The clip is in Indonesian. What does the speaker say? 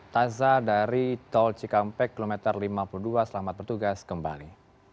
taza dari tol cikampek kilometer lima puluh dua selamat bertugas kembali